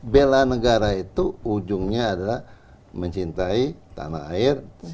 bela negara itu ujungnya adalah mencintai tanah air